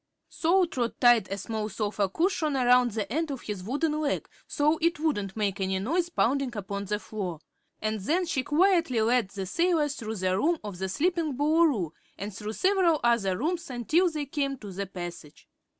So Trot tied a small sofa cushion around the end of his wooden leg, so it wouldn't make any noise pounding upon the floor, and then she quietly led the sailor through the room of the sleeping Boolooroo and through several other rooms until they came to the passage.